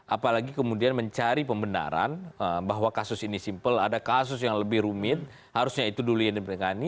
apalagi kemudian mencari pembenaran bahwa kasus ini simpel ada kasus yang lebih rumit harusnya itu dulian dan peringkatan ini